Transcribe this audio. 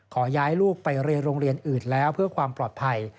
ขอย้ายลูกไปเรียนโรงเรียนอื่นแล้วเพื่อความปลอดภัย